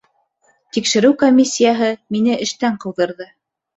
Тикшереү комиссияһы мине эштән ҡыуҙырҙы.